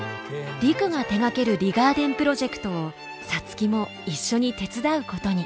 陸が手がけるリガーデンプロジェクトを皐月も一緒に手伝うことに。